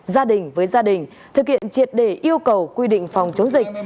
gia đình với gia đình thực hiện triệt để yêu cầu quy định phòng chống dịch